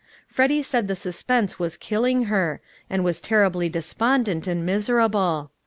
Freddy said the suspense was killing her, and was terribly despondent and miserable.